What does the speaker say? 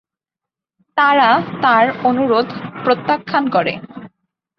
তারা তার অনুরোধ প্রত্যাখ্যান করে।